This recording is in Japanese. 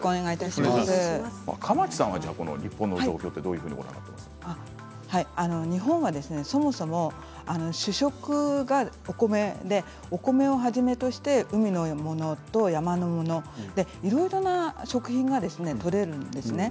蒲池さんは日本の状況をどういう日本はそもそも主食がお米でお米をはじめとして海のものと山のものいろいろな食品が取れるんですね。